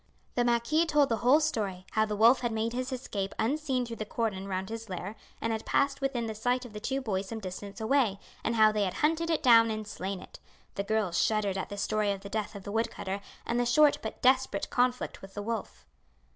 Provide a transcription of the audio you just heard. The marquis told the whole story, how the wolf had made his escape unseen through the cordon round his lair, and had passed within the sight of the two boys some distance away, and how they had hunted it down and slain it. The girls shuddered at the story of the death of the wood cutter and the short but desperate conflict with the wolf.